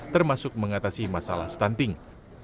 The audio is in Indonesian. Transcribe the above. termasuk mengatasi masalah stunting